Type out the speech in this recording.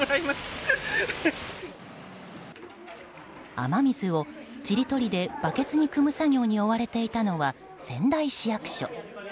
雨水をちりとりでバケツにくむ作業に追われていたのは仙台市役所。